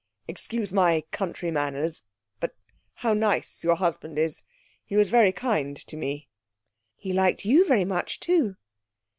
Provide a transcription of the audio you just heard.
Excuse my country manners, but how nice your husband is. He was very kind to me.' 'He liked you very much, too.'